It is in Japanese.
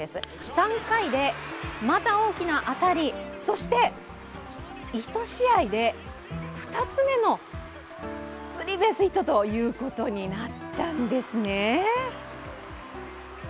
３回でまた大きな当たりそして１試合で２つ目のスリーベースヒットということになったんですね。